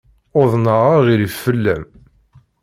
Uḍneɣ aɣilif fell-am.